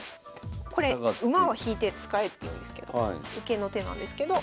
これ馬は引いて使えっていうんですけど受けの手なんですけど。